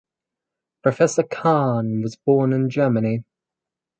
Professor Khan was born in Germany.